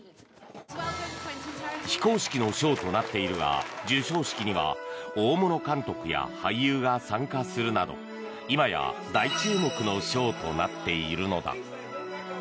非公式の賞となっているが授賞式には大物監督や俳優が参加するなど今や大注目の賞となっているのだ。